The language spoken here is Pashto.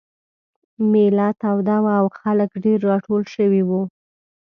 مېله توده وه او خلک ډېر راټول شوي وو.